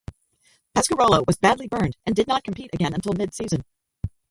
Pescarolo was badly burned and did not compete again until mid-season.